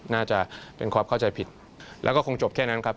น่าจะเป็นความเข้าใจผิดแล้วก็คงจบแค่นั้นครับ